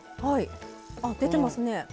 はい出てますね。